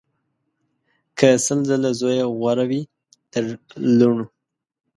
که سل ځله زویه غوره وي تر لوڼو